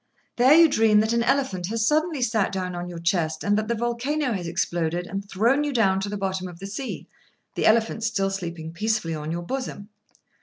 There you dream that an elephant has suddenly sat down on your chest, and that the volcano has exploded and thrown you down to the bottom of the sea—the elephant still sleeping peacefully on your bosom.